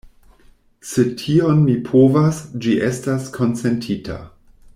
Se tion mi povas, ĝi estas konsentita.